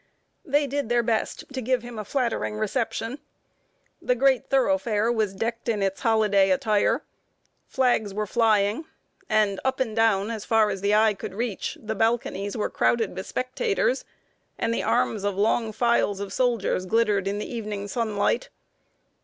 They did their best to give him a flattering reception. The great thoroughfare was decked in its holiday attire. Flags were flying, and up and down, as far as the eye could reach, the balconies were crowded with spectators, and the arms of long files of soldiers glittered in the evening sunlight.